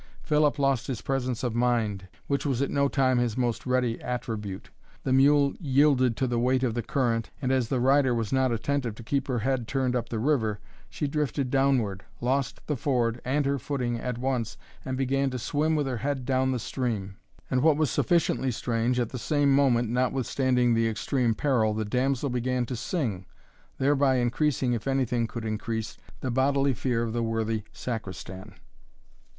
Philip lost his presence of mind, which was at no time his most ready attribute, the mule yielded to the weight of the current, and as the rider was not attentive to keep her head turned up the river, she drifted downward, lost the ford and her footing at once, and began to swim with her head down the stream. And what was sufficiently strange, at the same moment, notwithstanding the extreme peril, the damsel began to sing, thereby increasing, if anything could increase, the bodily fear of the worthy Sacristan.